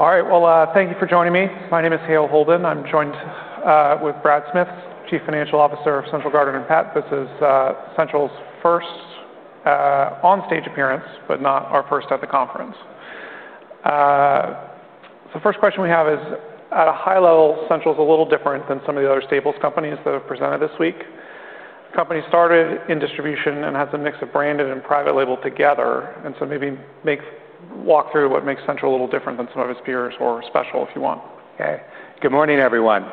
All right. Well, thank you for joining me. My name is Hale Holden. I'm joined with Brad Smith, Chief Financial Officer of Central Garden and Pet. This is Central's first on stage appearance, but not our first at the conference. So first question we have is at a high level, Central is a little different than some of the other staples companies that have presented this week. Company started in distribution and has a mix of branded and private label together and so maybe make walk through what makes Central a little different than some of its peers or special if you want. Okay. Good morning, everyone.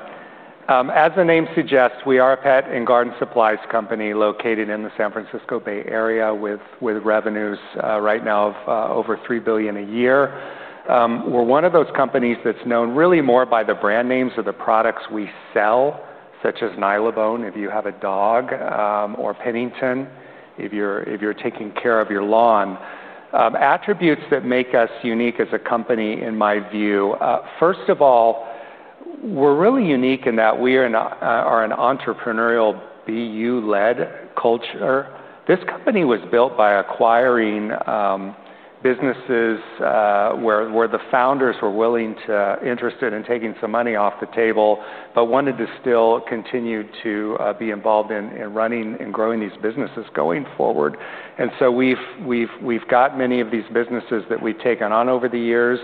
As the name suggests, we are a pet and garden supplies company located in the San Francisco Bay Area with revenues right now of over $3,000,000,000 a year. We're one of those companies that's known really more by the brand names of the products we sell, such as Nylabone, if you have a dog, or Pennington, if you're taking care of your lawn. Attributes that make us unique as a company in my view, first of all, we're really unique in that we are an entrepreneurial BU led culture. This company was built by acquiring businesses where the founders were willing to interested in taking some money off table, but wanted to still continue to be involved in running and growing these businesses going forward. And so we've got many of these businesses that we've taken on over the years.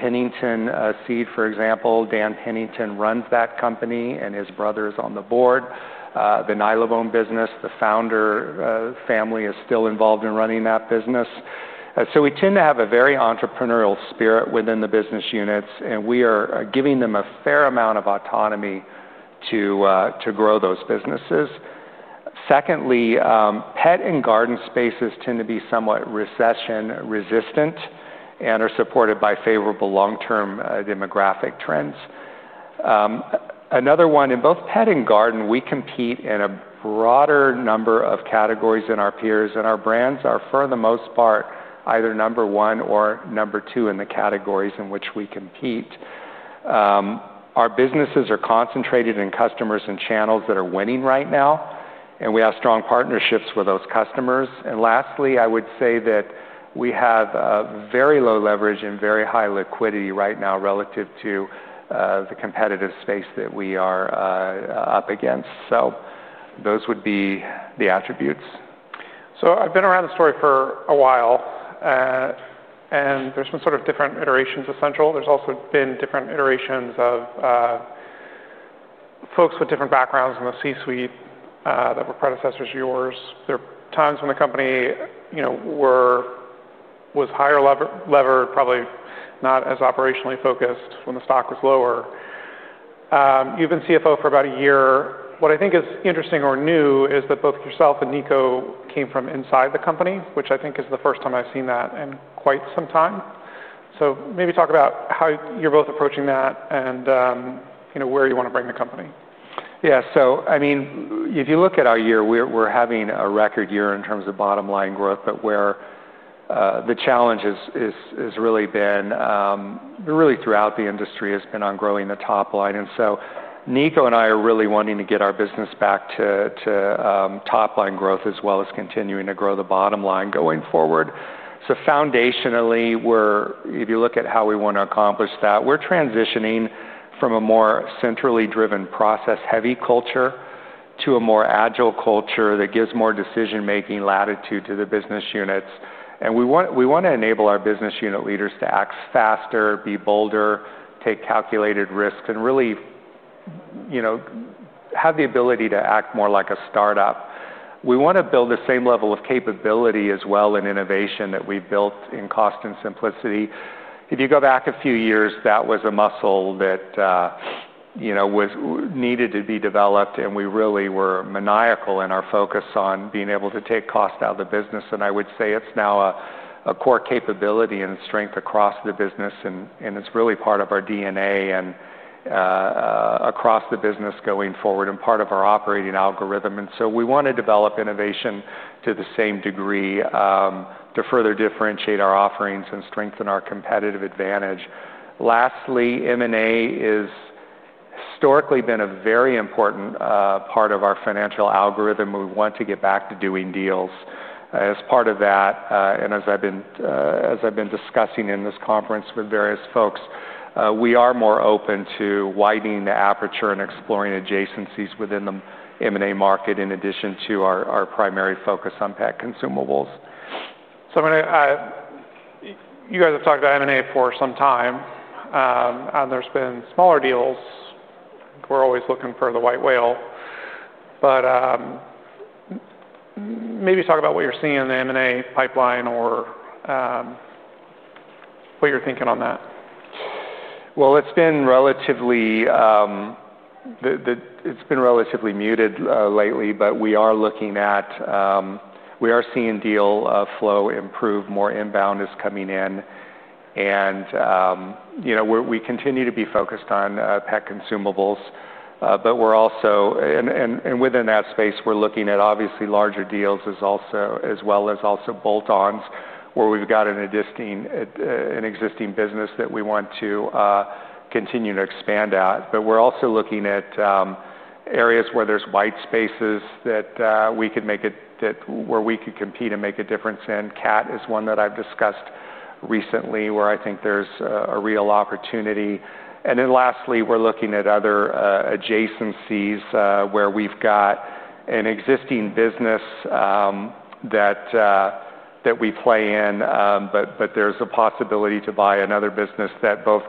Pennington Seed, for example, Dan Pennington runs that company and his brother is on the board. The Nylabone business, the founder family is still involved in running that business. So we tend to have a very entrepreneurial spirit within the business units, and we are giving them a fair amount of autonomy to grow those businesses. Secondly, pet and garden spaces tend to be somewhat recession resistant and are supported by favorable long term demographic trends. Another one, in both pet and garden, we compete in a broader number of categories than our peers, and our brands are, for the most part, either number one or number two in the categories in which we compete. Our businesses are concentrated in customers and channels that are winning right now, and we have strong partnerships with those customers. And lastly, I would say that we have very low leverage and very high liquidity right now relative to the competitive space that we are up against. So those would be the attributes. So I've been around the story for a while, and there's been sort of different iterations of Central. There's also been different iterations of folks with different backgrounds in the C suite that were predecessors of yours. There are times when the company were was higher levered, probably not as operationally focused when the stock was lower. You've been CFO for about a year. What I think is interesting or new is that both yourself and Nico came from inside the company, which I think is the first time I've seen that in quite some time. So maybe talk about how you're both approaching that and where you want to bring the company. Yes. So I mean, if you look at our year, we're having a record year in terms of bottom line growth, but where the challenge has really been really throughout the industry has been on growing the top line. And so Nico and I are really wanting to get our business back to top line growth as well as continuing to grow the bottom line going forward. So foundationally, we're if you look at how we want to accomplish that, we're transitioning from a more centrally driven process heavy culture to a more agile culture that gives more decision making latitude to the business units. And we want to enable our business unit leaders to act faster, be bolder, take calculated risks and really have the ability to act more like a start up. We want to build the same level of capability as well in innovation that we've built in cost and simplicity. If you go back a few years, that was a muscle that was needed to be developed, and we really were maniacal in our focus on being able to take cost cost out of the business. And I would say it's now a core capability and strength across the business, and it's really part of our DNA and across the business going forward and part of our operating algorithm. And so we want to develop innovation to the same degree to further differentiate our offerings and strengthen our competitive advantage. Lastly, M and A has historically been a very important part of our financial algorithm. We want to get back to doing deals. As part of that and as I've been discussing in this conference with various folks, we are more open to widening the aperture and exploring adjacencies within the M and A market in addition to our primary focus on pet consumables. So I mean, guys have talked about M and A for some time, and there's been smaller deals. We're always looking for the white whale. But maybe talk about what you're seeing in the M and A pipeline or what you're thinking on that? Well, it's been relatively muted lately, but we are looking at we are seeing deal flow improve. More inbound is coming in. And we continue to be focused on pet consumables. But we're also and within that space, we're looking at obviously larger deals as well as bolt ons where we've got an existing business that we want to continue to expand at. But we're also looking at areas where there's white spaces that we could make it that where we could compete and make a difference in. Cat is one that I've discussed recently where I think there's a real opportunity. And then lastly, we're looking at other adjacencies where we've got an existing business that we play in, but there's a possibility to buy another business that both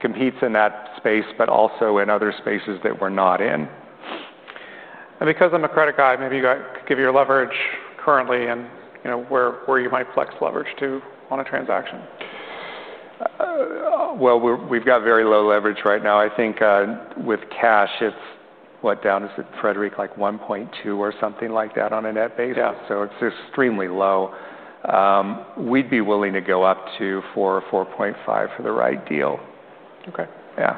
competes in that space but also in other spaces that we're not in. And because I'm a credit guy, maybe you could give your leverage currently and where you might flex leverage to on a transaction? Well, we've got very low leverage right now. I think with cash, it's what, down is it, Frederic, like 1.2 or something like that on a net basis. So it's extremely low. We'd be willing to go up to four or 4.5 for the right deal. Okay. Yes.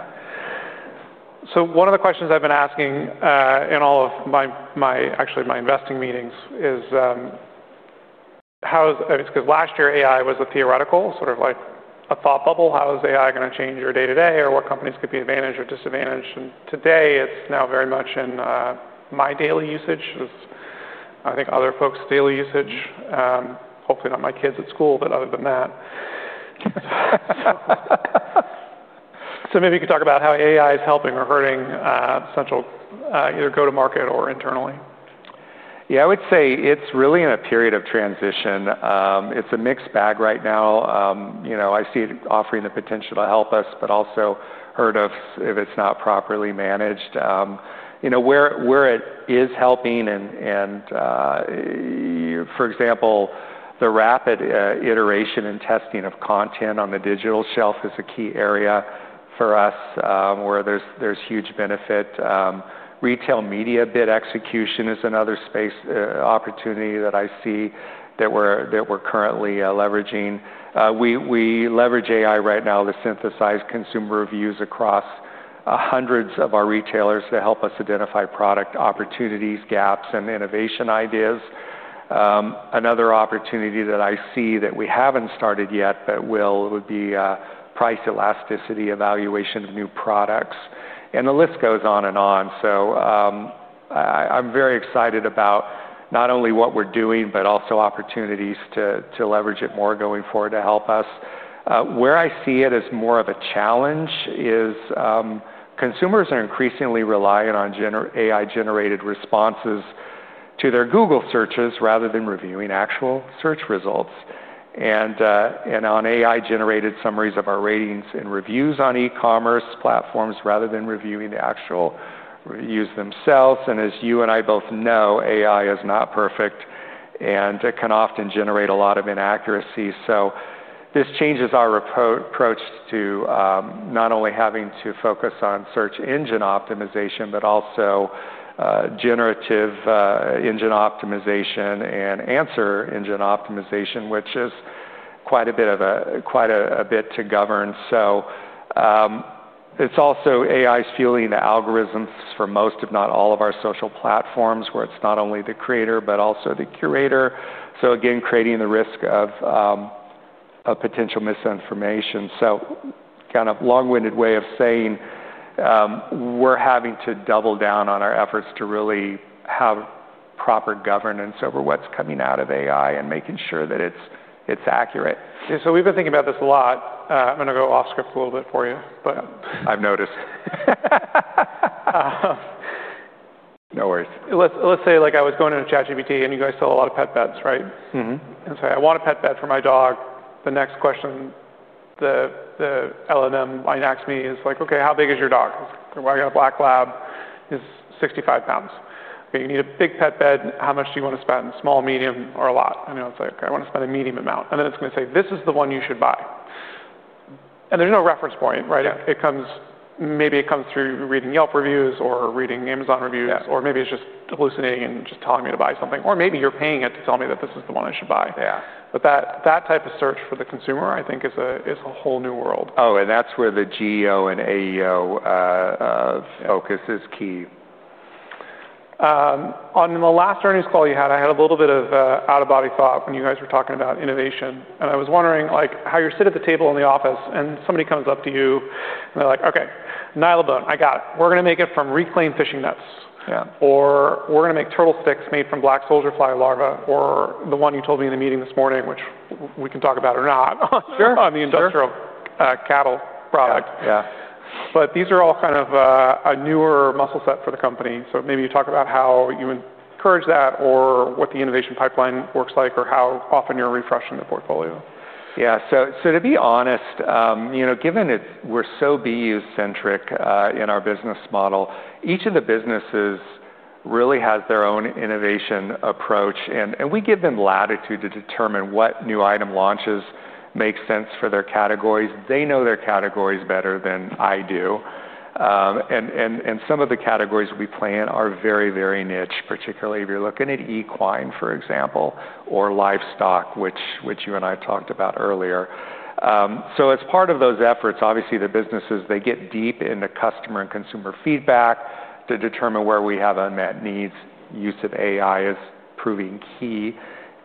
So one of the questions I've been asking in all of my actually, investing meetings is how is because last year, AI was a theoretical sort of like a thought bubble. How is AI going to change your day to day or what companies could be advantaged or disadvantaged? Today, it's now very much in my daily usage. Think other folks' daily usage, hopefully not my kids at school, but other than that. So maybe you could talk about how AI is helping or hurting Central either go to market or internally. Yes. I would say it's really in a period of transition. It's a mixed bag right now. I see it offering the potential to help us, but also heard of if it's not properly managed. Where it is helping and for example, the rapid iteration and testing of content on the digital shelf is a key area for us where there's huge benefit. Retail media bid execution is another space opportunity that I see that we're currently leveraging. We leverage synthesize consumer reviews across hundreds of our retailers to help us identify product opportunities, gaps and innovation ideas. Another opportunity that I see that we haven't started yet but will would be price elasticity, evaluation of new products. And the list goes on and on. So I'm very excited about not only what we're doing but also opportunities to leverage it more going forward to help us. Where I see it as more of a challenge is consumers are increasingly relying on AI generated responses to their Google searches rather than reviewing actual search results. And on AI generated summaries of our ratings and reviews on e commerce platforms rather than reviewing the actual reviews themselves. And as you and I both know, AI is not perfect and can often generate a lot of inaccuracy. So this changes our approach to not only having to focus on search engine optimization, but also generative engine optimization and answer engine optimization, which is quite a bit to govern. So it's also AI's fueling the algorithms for most, if not all, of our social platforms where it's not only the creator but also the curator. So again, creating the risk of potential misinformation. So kind of long winded way of saying we're having to double down on our efforts to really have proper governance over what's coming out of AI and making sure that it's it's accurate. Yeah. So we've been thinking about this a lot. I'm gonna go off script a little bit for you. But I've noticed. No worries. Let's let's say, like, I was going into JatGPT, and you guys sell a lot of Pet Bets. Right? Mhmm. And so I want a pet bed for my dog. The next question the the L and M might ask me is, like, okay. How big is your dog? Well, I got a black lab. He's sixty five pounds. You need a big pet bed. How much do you wanna spend? Small, medium, or a lot? I it's like, I wanna spend a medium amount. And then it's gonna say, this is the one you should buy. And there's no reference point. Right? It comes maybe it comes through reading Yelp reviews or reading Amazon reviews, or maybe it's just hallucinating and just telling me to buy something or maybe you're paying it to tell me that this is the one I should buy. But that type of search for the consumer, think, a whole new world. Oh, and that's where the GEO and AEO focus is key. On the last earnings call you had, I had a little bit of out of body thought when you guys were talking about innovation. And I was wondering like how you sit at the table in the office and somebody comes up to you and they're like, okay, nylon bone, got it. We're gonna make it from reclaimed fishing nets or we're gonna make turtle sticks made from black soldier fly larvae or the one you told me in the meeting this morning, which we can talk about or not on the industrial cattle product. But these are all kind of a newer muscle set for the company. So maybe you talk about how you encourage that or what the innovation pipeline works like or how often you're refreshing the portfolio. Yes. So to be honest, given centric in our business model, each of the businesses really has their own innovation approach. And we give them latitude to determine what new item launches make sense for their categories. They know their categories better than I do. And some of the categories we play in are very, very niche, particularly if you're looking at equine, for example, or livestock, which you and I talked about earlier. So as part of those efforts, obviously, the businesses, they get deep into customer and consumer feedback to determine where we have unmet needs. Use of AI is proving key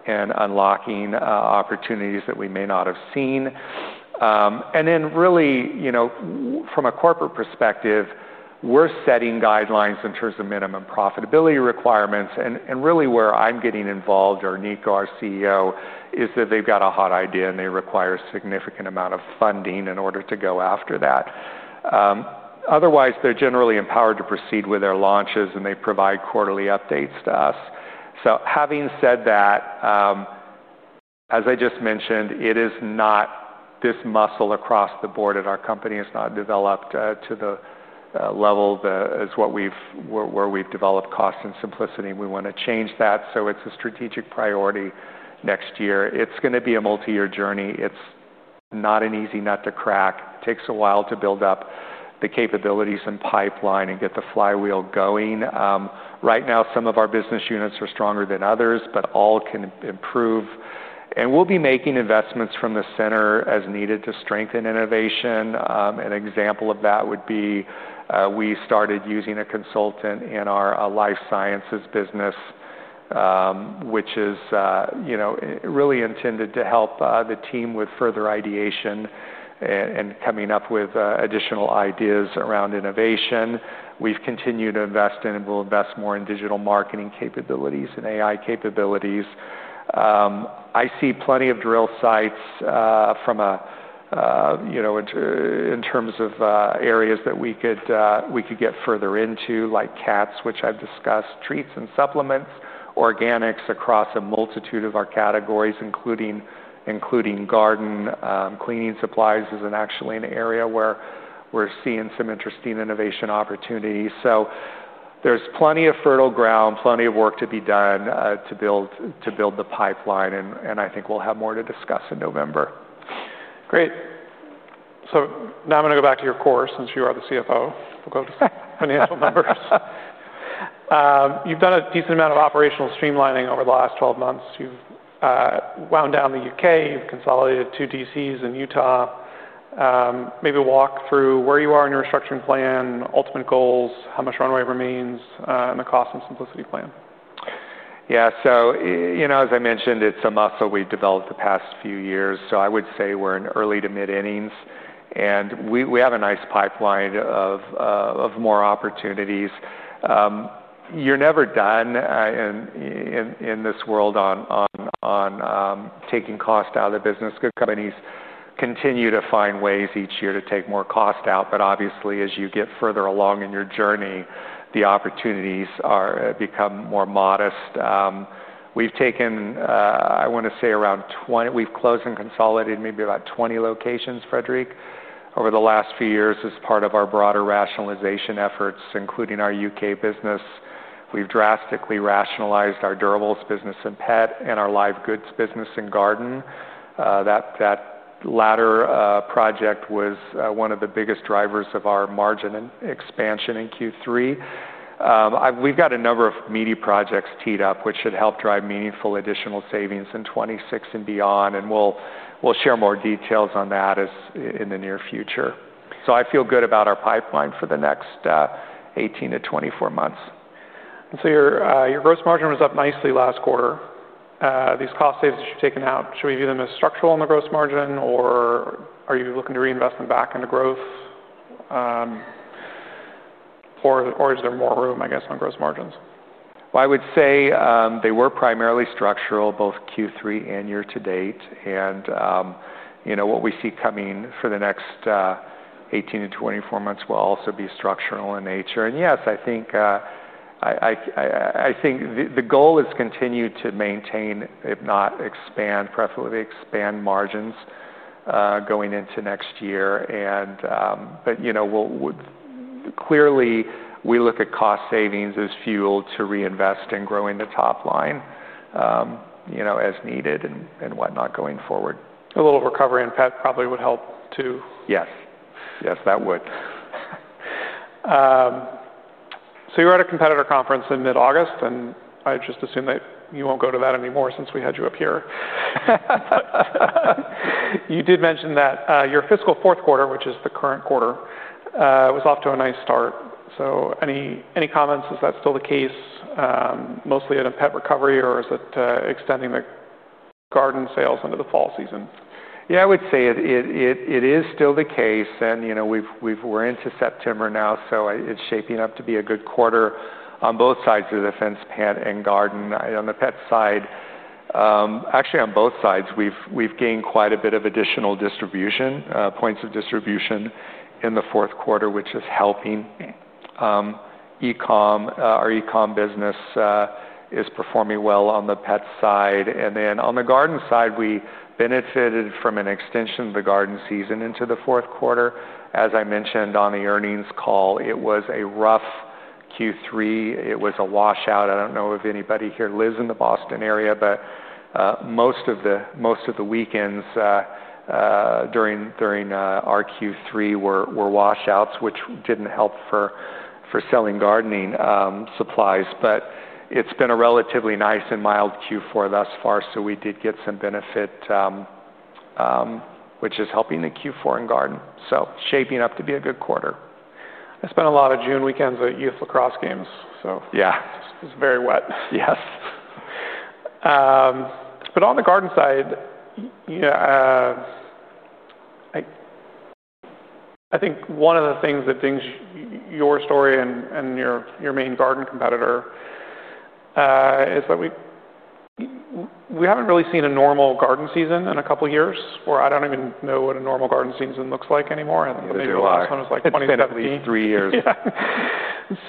and unlocking opportunities that we may not have seen. And then really, from a corporate perspective, we're setting guidelines in terms of minimum profitability requirements. And really where I'm getting involved, or Nico, our CEO, is that they've got a hot idea and they require a significant amount of funding in order to go after that. Otherwise, they're generally empowered to proceed with their launches and they provide quarterly updates to us. So having said that, as I just mentioned, it is not this muscle across the board at our company. It's not developed to the level that is what we've where we've developed cost and simplicity. We want to change that. So it's a strategic priority next multiyear journey. It's not an easy nut to crack. It takes a while to build up the capabilities and pipeline and get the flywheel going. Right now, of our business units are stronger than others, but all can improve. And we'll be making investments from the center as needed to strengthen innovation. An example of that would be we started using a consultant in our Life Sciences business, which is really intended to help the team with further ideation and coming up with additional ideas around innovation. We've continued to invest in and we'll invest more in digital marketing capabilities and AI capabilities. I see plenty of drill sites from a in terms of areas that we could get further into like cats, which I've discussed, treats and supplements, organics across a multitude of our categories, garden. Cleaning supplies isn't actually an area where we're seeing some interesting innovation opportunities. So there's plenty of fertile ground, plenty of work to be done to build the pipeline, and I think we'll have more to discuss in November. Great. So now I'm going to go back to your core since you are the CFO. We'll go to financial You've done a decent amount of operational streamlining over the last twelve months. You've wound down The UK, you've consolidated two DCs in Utah. Maybe walk through where you are in your restructuring plan, ultimate goals, how much runway remains and the cost and simplicity plan? Yes. So, as I mentioned, it's a muscle we developed the past few years. So, I would say we're in early to mid innings. And we have a nice pipeline of more opportunities. You're never done in this world on taking cost out of the business. Good companies continue to find ways each year to take more cost out. But obviously, as you get further along in your journey, the opportunities are become more modest. We've taken, I want to say, around we've closed and consolidated maybe about 20 locations, Frederic, over the last few years as part of our broader rationalization efforts, including our U. K. Business. We've drastically rationalized our durables business in Pet and our live goods business in Garden. That latter project was one of the biggest drivers of our margin expansion in Q3. We've got a number of media projects teed up, which should help drive meaningful additional savings in 2026 and beyond, and we'll share more details on that as in the near future. So I feel good about our pipeline for the next eighteen to twenty four months. And so your gross margin was up nicely last quarter. These cost saves that you've taken out, should we view them as structural on the gross margin? Or are you looking to reinvest them back into growth? Or is there more room, I guess, on gross margins? Well, I would say they were primarily structural, both Q3 and year to date. And what we see coming for the next eighteen to twenty four months will also be structural in nature. And yes, I think the goal is continue to maintain, if not expand preferably expand margins going into next year. And but clearly, we look at cost savings as fuel to reinvest in growing the top line as needed whatnot going forward. A little recovery in pet probably would help too. Yes. Yes, that would. So you're at a competitor conference in mid August, and I just assume that you won't go to that anymore since we had you up here. You did mention that your fiscal fourth quarter, which is the current quarter, was off to a nice start. So any comments? Is that still the case, mostly in a pet recovery? Or is it extending the garden sales into the fall season? Yes. Would say it is still the case. And we're into September now, so it's shaping up to be a good quarter on both sides of the defense, pet and garden. On the pet side, actually on both sides, we've gained quite a bit of additional distribution points of distribution in the fourth quarter, which is helping E comm our e comm business is performing well on the Pet side. And then on the Garden side, we benefited from an extension of the Garden season into the fourth quarter. As I mentioned on the earnings call, it was a rough Q3. It was a washout. I don't know if anybody here lives in the Boston area, but most of the weekends during our Q3 were washouts, which didn't help for selling gardening supplies. But it's been a relatively nice and mild Q4 thus far, so we did get some benefit, which is helping the Q4 in garden. So shaping up to be a good quarter. I spent a lot of June weekends at youth lacrosse games. It's very wet. But on the Garden side, I think one of the things that dings your story and your main garden competitor is that we haven't really seen a normal garden season in a couple of years or I don't even know what a normal garden season looks like anymore. It's July. It's like 20 been three years.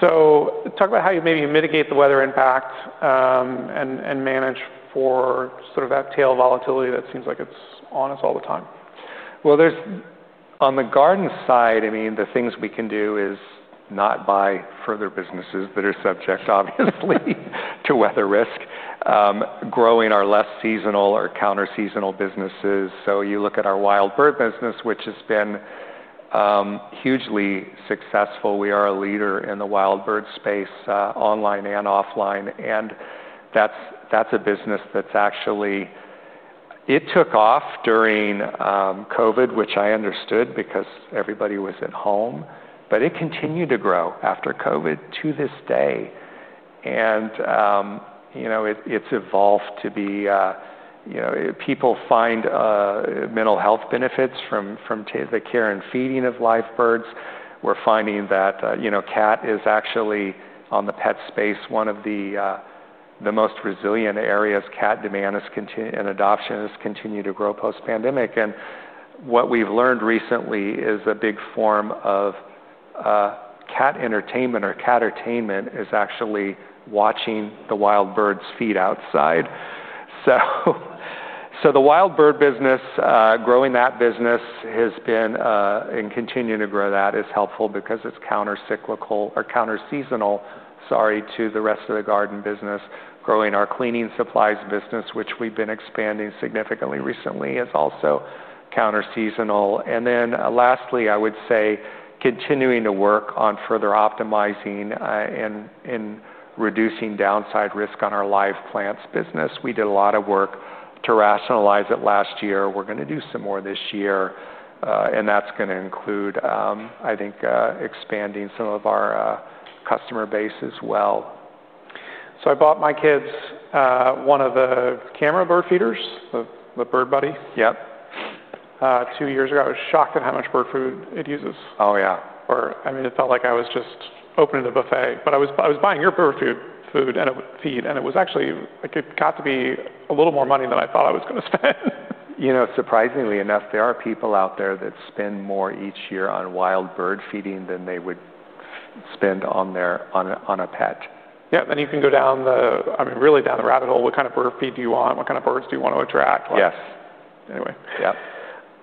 So talk about how you maybe mitigate the weather impact, and manage for sort of that tail volatility that seems like it's on us all the time. Well, there's on the Garden side, I mean, the things we can do is not buy further businesses that are subject obviously to weather risk, growing our less seasonal or counter seasonal businesses. So you look at our wild bird business, which has been hugely successful. We are a leader in the wild bird space, online and offline. And that's a business that's actually it took off during COVID, which I understood because everybody was at home, but it continued to grow after COVID to this day. And it's evolved to be people find mental health benefits from the care and feeding of live birds. We're finding that cat is actually, on the pet space, one of the most resilient areas cat demand and adoption has continued to grow post pandemic. And what we've learned recently is a big form of cat entertainment or catertainment is actually watching the wild birds feed outside. So the wild bird business, growing that business has been and continuing to grow that is helpful because it's countercyclical or counter seasonal, sorry, to the rest of the garden business. Growing our cleaning supplies business, which we've expanding significantly recently is also counter seasonal. And then lastly, I would say, continuing to work on further optimizing and reducing downside risk on our live plants business. We did a lot of work to rationalize it last year. We're going to do some more this year. And that's going to include, I think, expanding some of our customer base as well. So I bought my kids one of the camera bird feeders, the Bird Buddy. Yep. Two years ago, was shocked at how much bird food it uses. Oh, yeah. Or I mean, felt like I was just opening a buffet. But I was buying your bird food and it would feed, and it was actually it got to be a little more money than I thought I was going to spend. Surprisingly enough, there are people out there that spend more each year on wild bird feeding than they would spend on their on a pet. Yeah. And you can go down the I mean, really down the rabbit hole, what kind of bird feed do you want? What kind of birds do you want to attract? Yes. Anyway. Yeah.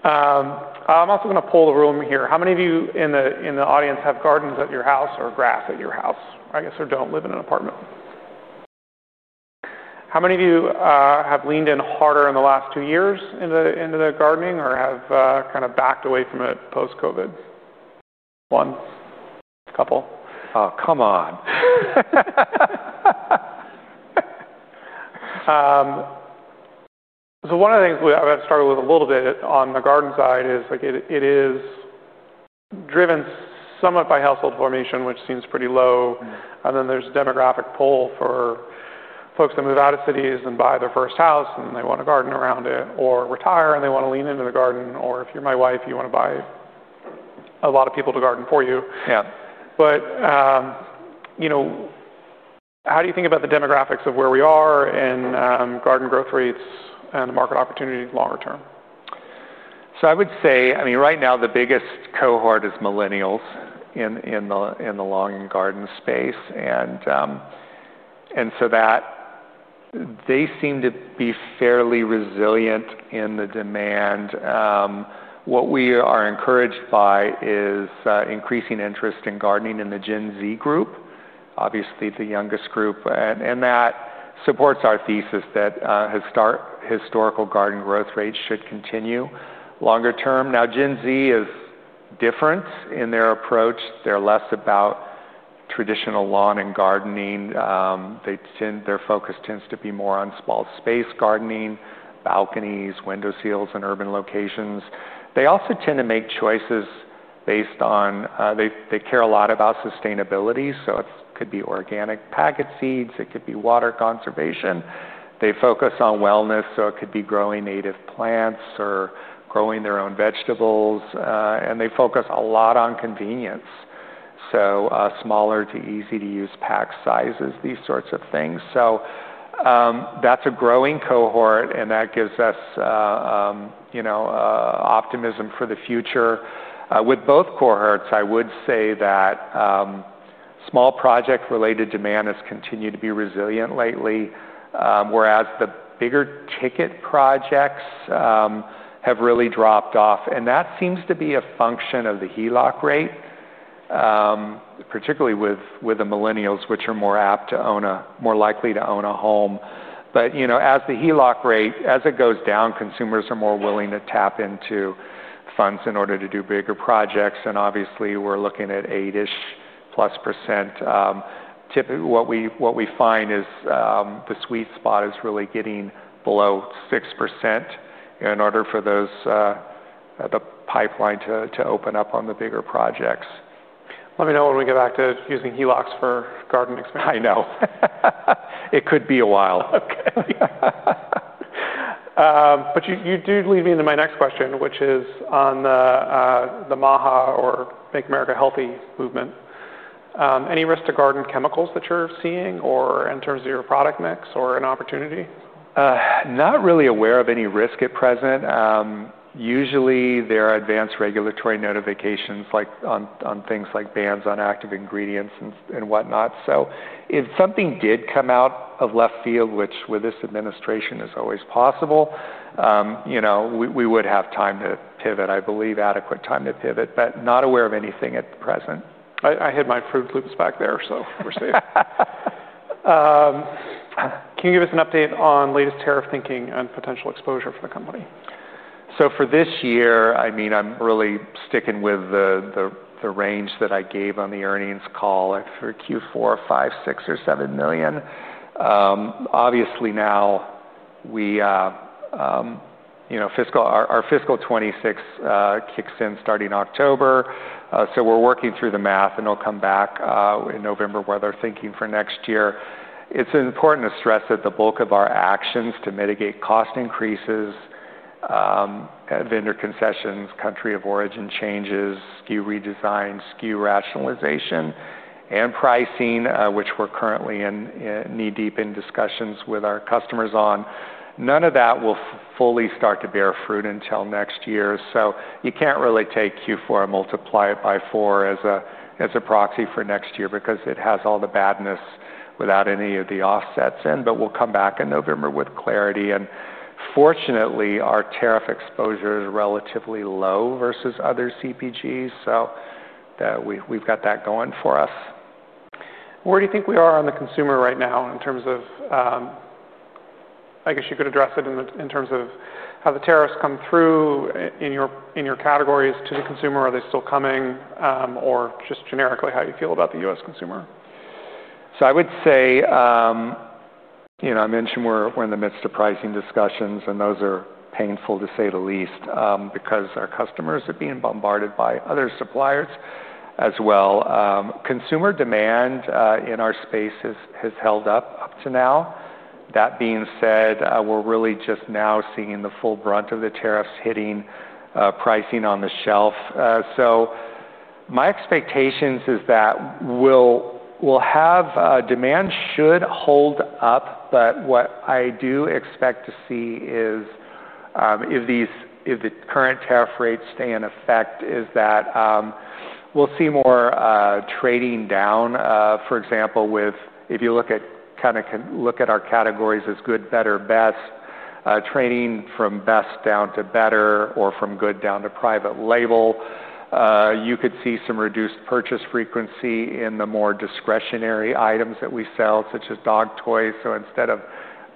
I'm also going to pull the room here. How many of you in the audience have gardens at your house or grass at your house, I guess, or don't live in an apartment? How many of you have leaned in harder in the last two years gardening into or have kind of backed away from it post COVID? One? Couple? Oh, come on. So one of the things we're going to start with a little bit on the Garden side is like it is driven somewhat by household formation, which seems pretty low. And then there's demographic pull for folks that move out of cities and buy their first house and they want to garden around it or retire and they want to lean into the garden or if you're my wife, you want to buy a lot of people to garden for you. But how do you think about the demographics of where we are in garden growth rates and the market opportunity longer term? So I would say, I mean, right now, the biggest cohort is millennials in the lawn and garden space. And so that they seem to be fairly resilient in the demand. What we are encouraged by is increasing interest in gardening in the Gen Z group, obviously, the youngest group. And that supports our thesis that historical garden growth rates continue longer term. Now Gen Z is different in their approach. They're less about traditional lawn and gardening. They tend their focus tends to be more on small space gardening, balconies, window seals in urban locations. They also tend to make choices based on they care a lot about sustainability. So it could be organic packet seeds. It could be water conservation. They focus on wellness, so it could be growing native plants or growing their own vegetables. And they focus a lot on convenience, so smaller to easy to use pack sizes, these sorts of things. So that's a growing cohort, and that gives us optimism for the future. With both cohorts, I would say that small project related demand has continued to be resilient lately, whereas the bigger ticket projects have really dropped off. And that seems to be a function of the HELOC rate, particularly with the millennials, which are more apt to own a more likely to own a home. But as the HELOC rate as it goes down, consumers are more willing to tap into funds in order to do bigger projects. And obviously, we're looking at eight ish plus percent. Typically, what we find spot is really getting below 6% in order for those the pipeline to open up on the bigger projects. Let me know when we get back to using HELOCs for garden expansion. I know. It could be a while. Okay. But you did lead me into my next question, which is on the MAHA or Make America Healthy movement. Any risk to garden chemicals you're seeing or in terms of your product mix or an opportunity? Not really aware of any risk at present. Usually, are advanced regulatory notifications like on things like bans on active ingredients and whatnot. So if something did come out of left field, which with this administration is always possible, we would have time to pivot, I believe adequate time to pivot, but not aware of anything at present. I hid my fruit loops back there, so we're safe. Can you give us an update on latest tariff thinking and potential exposure for the company? So for this year, I mean, I'm really sticking with the range that I gave earnings call for Q4 of $5.6000000 or $7,000,000 Obviously, now we our fiscal twenty twenty six kicks in starting October. So we're working through the math, and it'll come back in November weather thinking for next year. It's important to stress that the bulk of our actions to mitigate cost increases, vendor concessions, country of origin changes, SKU redesign, SKU rationalization and pricing, which we're currently in knee deep in discussions with our customers on, none of that will fully start to bear fruit until next year. So you can't really take Q4 and multiply it by four as a proxy for next year because it has all the badness without any of the offsets in, but we'll come back in November with clarity. And fortunately, our tariff exposure relatively low versus other CPGs. So we've got that going for us. Where do you think we are on the consumer right now in terms of I guess you could address it in terms of how the tariffs come through in your categories to the consumer? Are they still coming? Or just generically, how you feel about The U. S. Consumer? So I would say, I mentioned we're in the midst of pricing discussions, and those are painful to say the least, because our customers are being bombarded by other suppliers as well. Consumer demand in our space has held up up to now. That being said, we're really just now seeing the full brunt of the tariffs hitting pricing on the shelf. So my expectations is that we'll have demand should hold up. But what I do expect to see is if these if the current tariff rates stay in effect is that we'll see more trading down, for example, with if you look at kind of look at our categories as good, better, best, training from best down to better or from good down to private label, you could see some reduced purchase frequency in the more discretionary items that we sell, such as dog toys. So instead of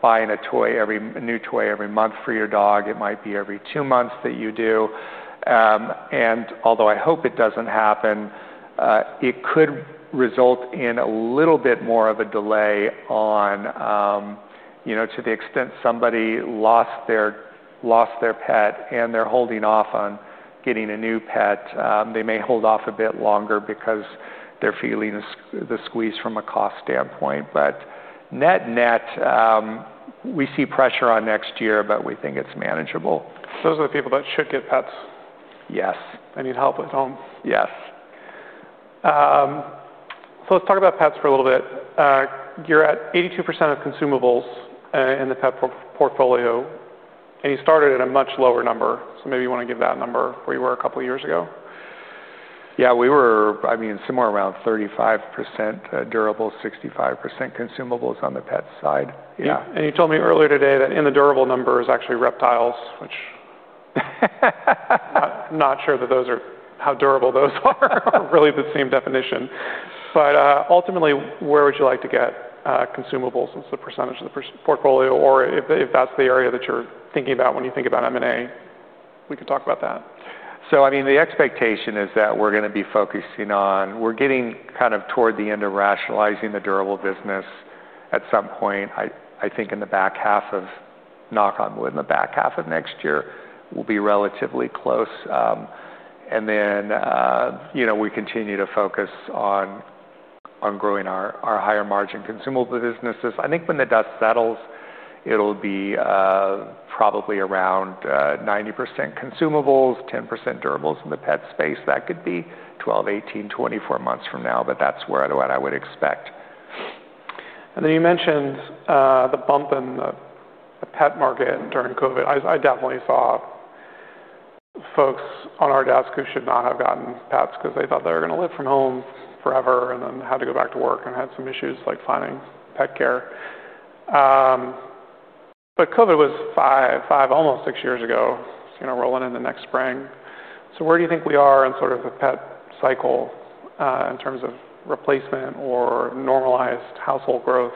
buying a toy every new toy every month for your dog, it might be every two months that you do. And although I hope it doesn't happen, it could result in a little bit more of a delay to the extent somebody lost their pet and they're holding off on getting a new pet, they may hold off a bit longer because they're feeling the squeeze from a cost standpoint. But net net, we see pressure on next year, but we think it's manageable. Those are the people that should get pets. Yes. They need help at home. Yes. So let's talk about pets for a little bit. You're at 82% of consumables in the pet portfolio, and you started at a much lower number. So maybe you want to give that number where you were a couple of years ago? Yes, we were, I mean, somewhere around 35% durable, 65% consumables on the pet side. Yes. And you told me earlier today that in the durable number is actually reptiles, which not sure that those are how durable those are, really the same definition. But ultimately, where would you like to get consumables as a percentage of the portfolio? Or if that's the area that you're thinking about when you think about M and A, we can talk about that. So I mean the expectation is that we're going to be focusing on we're getting kind of toward the end of rationalizing the durable business at some point, I think, the back half of knock on wood, in the back half of next year, we'll be relatively close. And then we continue to focus on growing our higher margin consumable businesses. I think when the dust settles, it will be probably around 90% consumables, 10% durables in the pet space. That could be twelve, eighteen, twenty four months from now, but that's where I would expect. And then you mentioned the bump in the pet market during COVID. I definitely saw folks on our desk who should not have gotten pets because they thought they were going live from home forever and then had to go back to work and had some issues like finding pet care. But COVID was five, almost six years ago, rolling into next spring. So where do you think we are in sort of the pet cycle in terms of replacement or normalized household growth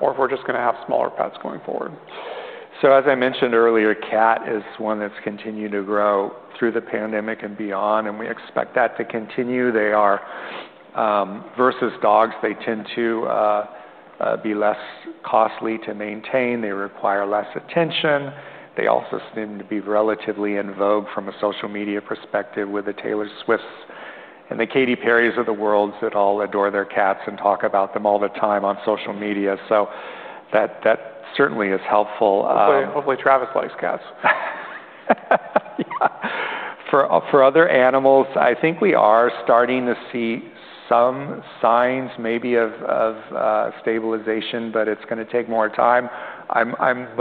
or if we're just going to have smaller pets going forward? So as I mentioned earlier, cat is one that's continued to grow through the pandemic and beyond, and we expect that to continue. They are, versus dogs, they tend to be less costly to maintain. They require less attention. They also seem to be relatively in vogue from a social media perspective with the Taylor Swifts and the Katy Perry's of the world that all adore their cats and talk about them all the time on social media. So that that certainly is helpful. Hopefully, Travis likes cats. For other animals, I think we are starting to see some signs maybe of stabilization, but it's going to take more time. I'm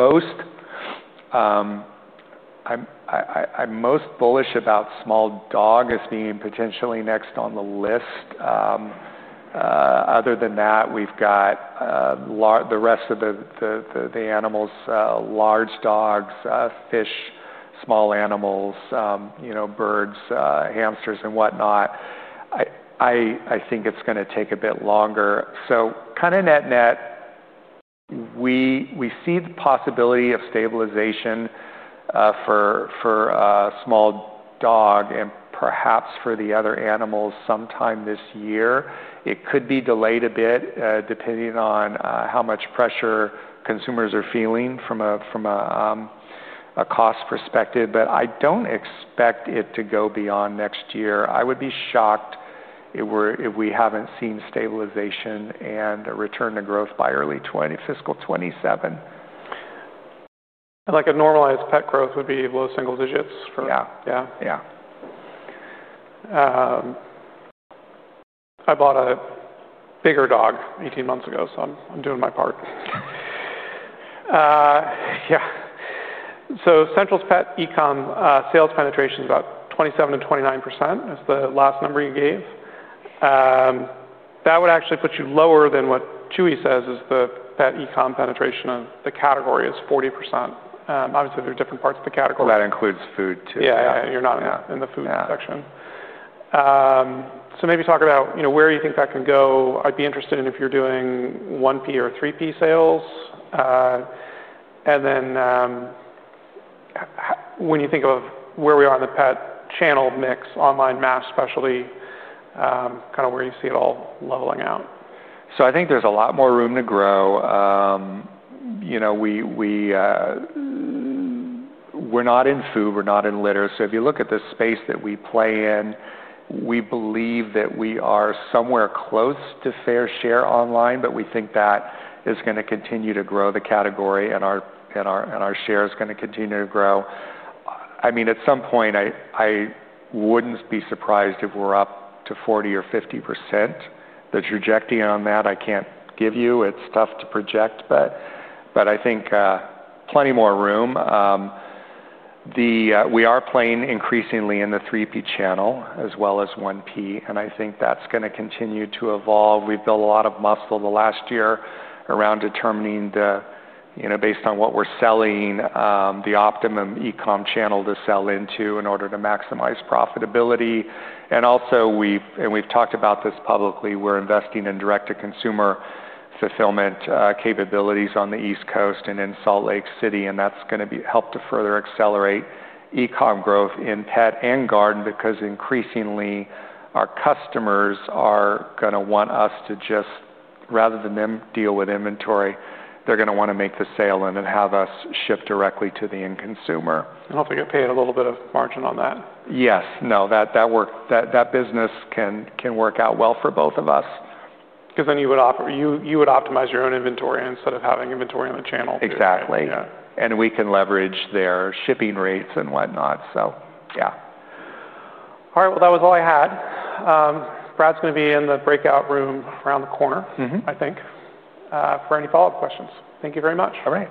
most bullish about small dog as being potentially next on the list. Other than that, we've got the rest of the animals, large dogs, fish, small animals, birds, hamsters and whatnot. I think it's going to take a bit longer. So kind of net net, we see the possibility of stabilization for a small dog and perhaps for the other animals sometime this year. It could be delayed depending on how much pressure consumers are feeling from a cost perspective. But I don't expect it to go beyond next year. I would be shocked if we haven't seen stabilization and return to growth by early twenty twenty fiscal twenty twenty seven. Like a normalized pet growth would be low single digits for Yes. Yes. I bought a bigger dog 18 ago, so I'm doing my part. Yes. So Central's petecom sales penetration is about 27% to 29%, that's the last number you gave. That would actually put you lower than what Chewy says is that ecom penetration of the category is 40. Obviously, there are different parts of the category. Well, includes food too. Yes. You're not in the food section. So maybe talk about where you think that can go? I'd be interested in if you're doing 1P or 3P sales? And then when you think of where we are in the pet channel mix, online mass specialty, kind of where you see it all leveling out? So I think there's a lot more room to grow. We're not in food, we're not in litter. So if you look at the space that we play in, we believe that we are somewhere close to fair share online, but we think that is going to continue to grow the category and our share is going to continue to grow. I mean at some point, I wouldn't be surprised if we're up to 40% or 50%. The trajectory on that, I can't give you. It's tough to project, but I think plenty more room. The we are playing increasingly in the 3P channel as well as 1P, and I think that's going to continue to evolve. We've built a lot of muscle the last year around determining the based on what we're selling, the optimumecom channel to sell into in order to maximize profitability. And also, we've and we've talked about this publicly, we're investing in direct to consumer fulfillment capabilities on the East Coast and in Salt Lake City, and that's going to be help to further accelerate e comm growth in pet and garden because increasingly, our customers are going to want us to just rather than them deal with inventory, they're going to want to make the sale and then have us shift directly to the end consumer. Hopefully, you'll pay a little bit of margin on that. Yes. No, that work that business can work out well for both of us. Because then you would optimize your own inventory instead of having inventory on the channel. Exactly. And we can leverage their shipping rates and whatnot. Yes. All right. Well, that was all I had. Brad's going be in the breakout room around the corner, I think, for any follow-up questions. Thank you very much. All right.